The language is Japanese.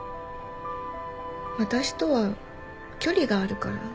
私とは距離があるから。